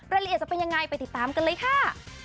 รายละเอียดจะเป็นยังไงไปติดตามกันเลยค่ะ